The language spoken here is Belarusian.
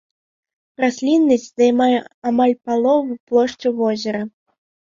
Расліннасць займае амаль палову плошчы возера.